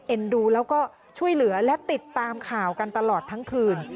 ดูแล้วก็ช่วยเหลือและติดตามข่าวกันตลอดทั้งคืน